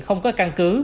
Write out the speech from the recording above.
không có căn cứ